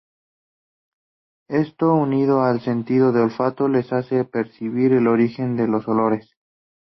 Esto, unido al sentido del olfato, les hace percibir el origen de los olores.